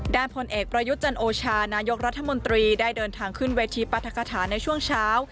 ผลเอกประยุทธ์จันโอชานายกรัฐมนตรีได้เดินทางขึ้นเวทีปรัฐกฐาในช่วงเช้า